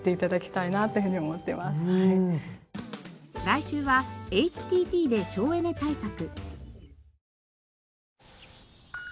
来週はＨＴＴで省エネ対策。